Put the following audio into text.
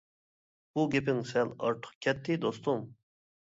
—بۇ گېپىڭ سەل ئارتۇق كەتتى، دوستۇم.